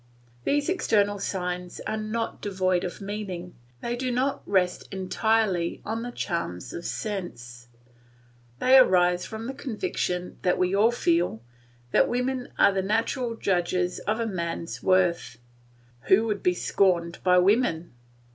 These external signs are not devoid of meaning; they do not rest entirely upon the charms of sense; they arise from that conviction that we all feel that women are the natural judges of a man's worth. Who would be scorned by women?